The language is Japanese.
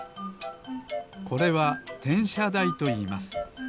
これはてんしゃだいといいます。